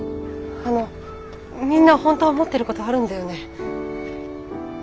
あのみんなほんとは思ってることあるんだよね。